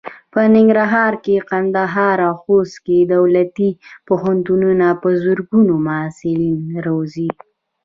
په ننګرهار، کندهار او خوست کې دولتي پوهنتونونه په زرګونو محصلین روزي.